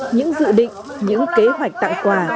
những dự định những kế hoạch tặng quà